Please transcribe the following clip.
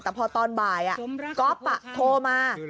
แต่พอตอนบ่ายครอบอัพโทรมา